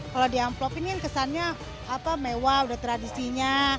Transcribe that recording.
kalau di amplop ini kan kesannya mewah udah tradisinya